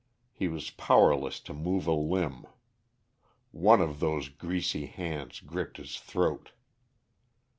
He was powerless to move a limb. One of those greasy hands gripped his throat.